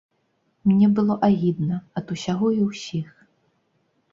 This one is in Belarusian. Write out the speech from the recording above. Мне было агідна ад усяго і ўсіх.